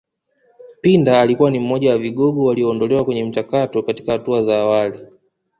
Pinda alikuwa ni mmoja wa vigogo walioondolewa kwenye mchakato katika hatua za awali